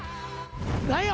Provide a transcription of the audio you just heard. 何や？